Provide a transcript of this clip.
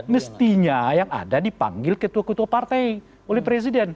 mestinya yang ada dipanggil ketua ketua partai oleh presiden